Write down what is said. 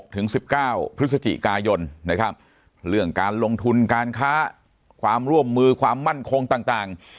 ถึง๑๙พฤศจิกายนนะครับเรื่องการลงทุนการค้าความร่วมมือความมั่นคงต่าง